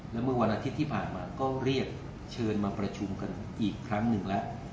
แล้วเมื่อวันอาทิตย์ที่ผ่านมาก็เรียกเชิญมาประชุมกันอีกครั้งหนึ่งแล้ว